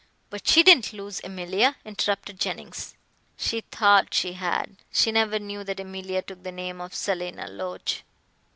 "But she didn't lose Emilia," interrupted Jennings. "She thought she had. She never knew that Emilia took the name of Selina Loach.